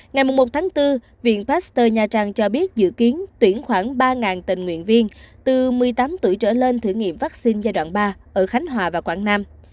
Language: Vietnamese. ngày một bốn viện pasteur nha trang cho biết dự kiến tuyển khoảng ba tình nguyện viên từ một mươi tám tuổi trở lên thử nghiệm vaccine giai đoạn ba ở khánh hòa và quảng nam